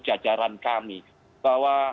jajaran kami bahwa